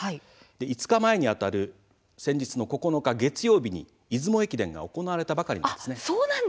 ５日前にあたる先日の９日月曜日に出雲駅伝が行われたばかりなんです。